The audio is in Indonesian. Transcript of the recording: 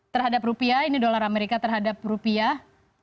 terhadap rupiah ini dolar amerika terhadap rupiah